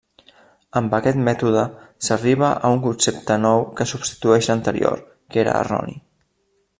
Amb aquest mètode, s'arriba a un concepte nou que substitueix l'anterior, que era erroni.